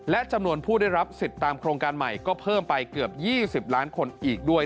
และจำนวนผู้ได้รับสิทธิ์ตามโครงการใหม่ก็เพิ่มไปเกือบ๒๐ล้านคนอีกด้วย